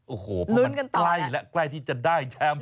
โอ้โหเพราะมันใกล้แล้วใกล้ที่จะได้แชมป์